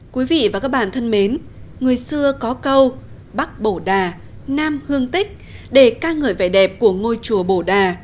quý vị và các bạn thân mến người xưa có câu bắc bổ đà nam hương tích để ca ngợi vẻ đẹp của ngôi chùa bổ đà